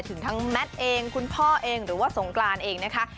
ถึงทั้งแมทเองคุณพ่อเองหรือว่าสงกรานเองนะคะ